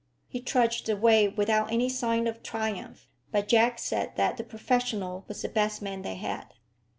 He trudged away without any sign of triumph; but Jack said that the professional was the best man they had.